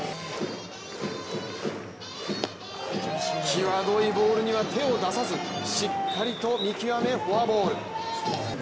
際どいボールには手を出さずしっかりと見極めフォアボール。